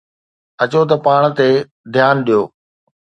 اچو ته پاڻ تي ڌيان ڏيو.